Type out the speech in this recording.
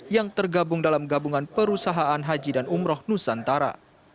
yang tergabung dalam gabungan perusahaan haji dan umroh nusantara